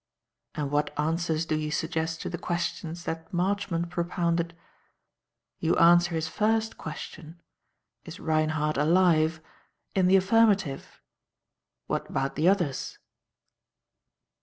And what answers do you suggest to the questions that Marchmont propounded? You answer his first question: 'Is Reinhardt alive?' in the affirmative. What about the others?"